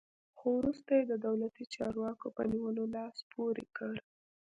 خو وروسته یې د دولتي چارواکو په نیولو لاس پورې کړ.